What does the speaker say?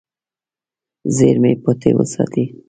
زیرمې پټې وساتې.